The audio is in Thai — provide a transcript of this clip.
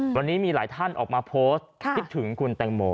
วันนี้มีหลายท่านออกมาโพสต์คิดถึงคุณแตงโม